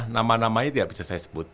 nama namanya tidak bisa saya sebut